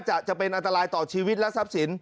จะเป็นอันตรายต่อชีวิตและทรัพย์สิน